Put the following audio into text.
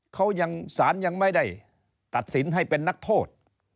เขายังสารยังไม่ได้ตัดสินให้เป็นนักโทษ